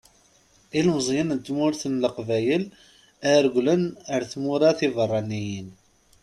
Ilmeẓyen n tmurt n leqbayel ad regglen ara tmura tibeṛṛaniyin.